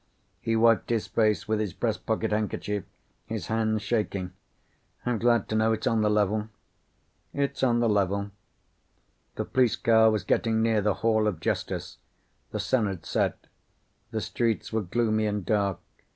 He wiped his face with his breast pocket handkerchief, his hands shaking. "I'm glad to know it's on the level." "It's on the level." The police car was getting near the Hall of Justice. The sun had set. The streets were gloomy and dark.